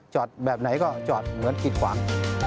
แบบไหนก็จอดเหมือนกิดขวาง